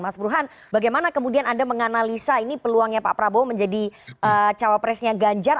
mas burhan bagaimana kemudian anda menganalisa ini peluangnya pak prabowo menjadi cawapresnya ganjar